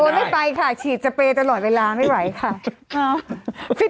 ไม่ไปค่ะฉีดสเปรย์ตลอดเวลาไม่ไหวค่ะ